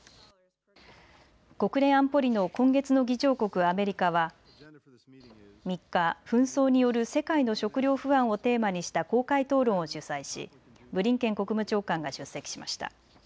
国連安保理の今月の議長国、アメリカは３日、紛争による世界の食料不安をテーマにした公開討論を主催しブリンケン国務長官が出席しました。